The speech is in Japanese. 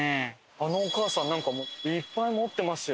あのお母さんなんかいっぱい持ってますよ。